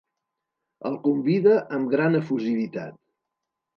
El convida amb gran efusivitat.